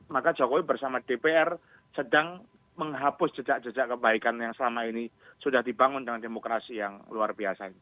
maka jokowi bersama dpr sedang menghapus jejak jejak kebaikan yang selama ini sudah dibangun dengan demokrasi yang luar biasa ini